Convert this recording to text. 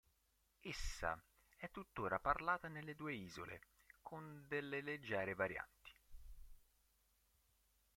Essa è tuttora parlata nelle due isole, con delle leggere varianti.